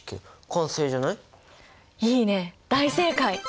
いいね大正解！